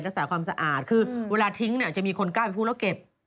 รักษาความสะอาดคือเวลาทิ้งเนี่ยจะมีคนกล้าไปพูดแล้วเก็บ